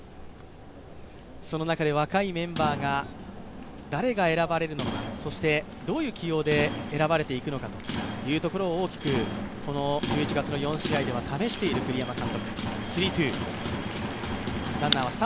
その中で、若いメンバーが誰が選ばれるのか、そして、どういう起用で選ばれていくのか、大きくこの１１月の４試合では試している栗山監督。